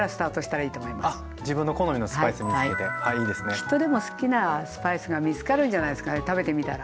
きっとでも好きなスパイスが見つかるんじゃないですかね食べてみたら。